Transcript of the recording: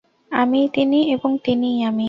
আমিই তিনি, এবং তিনিই আমি।